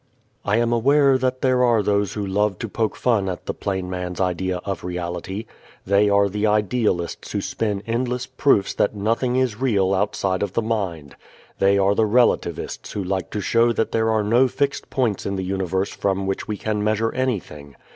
I am aware that there are those who love to poke fun at the plain man's idea of reality. They are the idealists who spin endless proofs that nothing is real outside of the mind. They are the relativists who like to show that there are no fixed points in the universe from which we can measure anything.